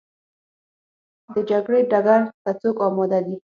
د جګړې ډګر ته څوک اماده دي؟